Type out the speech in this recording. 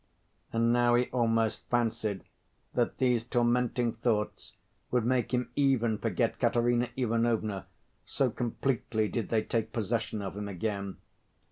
And now he almost fancied that these tormenting thoughts would make him even forget Katerina Ivanovna, so completely did they take possession of him again.